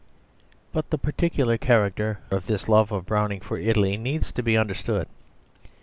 But the particular character of this love of Browning for Italy needs to be understood.